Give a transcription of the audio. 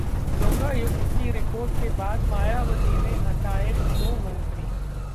लोकायुक्त की रिपोर्ट के बाद मायावती ने हटाए दो मंत्री